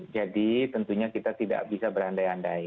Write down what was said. jadi tentunya kita tidak bisa berandai andai